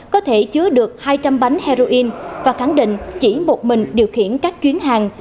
có thể chứa được hai trăm linh bánh heroin và khẳng định chỉ một mình điều khiển các chuyến hàng